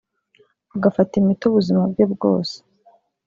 agafata imiti ubuzima bwe bwose